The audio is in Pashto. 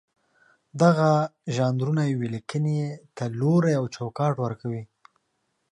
دغه ژانرونه یوې لیکنې ته لوری او چوکاټ ورکوي.